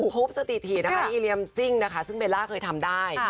ทุบสถิตินะคะอีเรียมซิ่งนะคะซึ่งเบลล่าเคยทำได้